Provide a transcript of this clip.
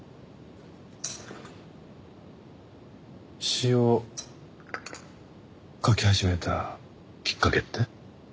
詩を書き始めたきっかけって？